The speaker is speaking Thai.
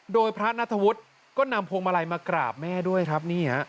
โดยพระนัทธวุฒิก็นำพวงมาลัยมากราบแม่ด้วยครับ